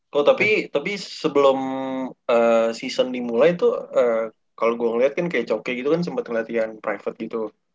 kok tapi tapi sebelum season dimulai tuh kalo gue ngeliat kan kayak cokye gitu kan sempet ngeliat yang private gitu